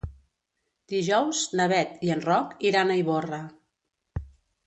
Dijous na Beth i en Roc iran a Ivorra.